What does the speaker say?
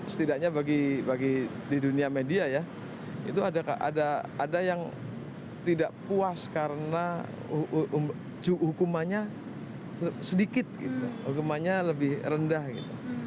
setidaknya bagi di dunia media ya itu ada yang tidak puas karena hukumannya sedikit gitu hukumannya lebih rendah gitu